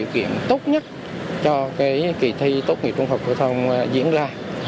điều kiện tốt nhất cho kỳ thi tốt nghiệp trung học phổ thông diễn ra